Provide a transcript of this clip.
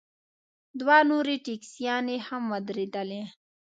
دوه نورې ټیکسیانې هم ودرېدلې.